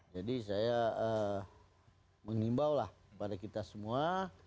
jadi saya mengimbau lah kepada kita semua